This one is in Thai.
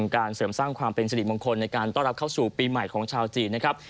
การเสริมสร้างความเป็นสิริมงคลในการต้อนรับเข้าสู่ปีใหม่ของชาวจีนนะครับ